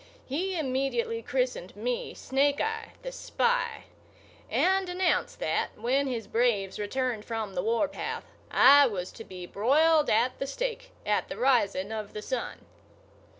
He immediately christened me Snake eye, the Spy, and announced that, when his braves returned from the warpath, I was to be broiled at the stake at the rising of the sun.